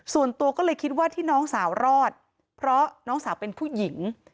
ส่วนตัวก็เลยคิดว่าที่น้องสาวรอดเพราะน้องสาวเป็นผู้หญิง